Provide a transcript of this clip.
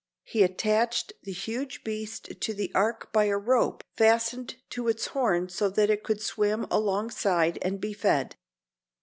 He attached the huge beast to the Ark by a rope fastened to its horn so that it could swim alongside and be fed.